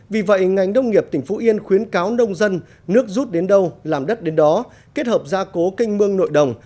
vì vậy ngành nông nghiệp tỉnh phú yên khuyến cáo nông dân nước rút đến đâu làm đất đến đó kết hợp gia cố canh mương nội đồng